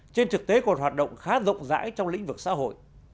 trên thực tế còn hoạt động khá rộng rãi trong lĩnh vực xã hội